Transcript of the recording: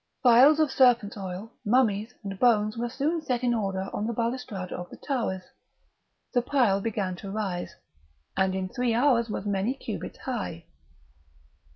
Phials of serpents' oil, mummies, and bones were soon set in order on the balustrade of the tower; the pile began to rise, and in three hours was as many cubits high.